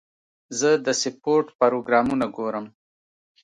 زه د سپورټ پروګرامونه ګورم.